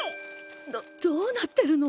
どどうなってるの？